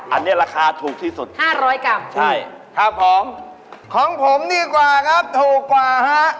อันนี้ราคาถูกที่สุด๕๐๐กรัมใช่ครับผมของผมดีกว่าครับถูกกว่าฮะ